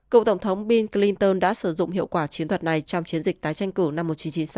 cựu tổng thống bill clinton đã sử dụng hiệu quả chiến thuật này trong chiến dịch tái tranh cử năm một nghìn chín trăm chín mươi sáu